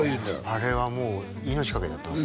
あれはもう命懸けてやってます